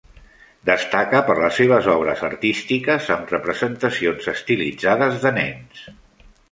Destaca per les seves obres artístiques amb representacions estilitzades de nens.